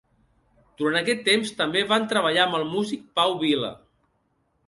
Durant aquest temps també van treballar amb el músic Pau Vila.